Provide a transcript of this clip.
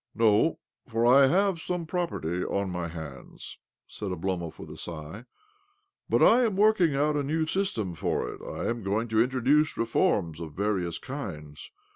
" No, for I have some property on my hands," said Oblomov with a sigh. " But I am working out a new system for it ; I am going to introduce reforms of various kinds.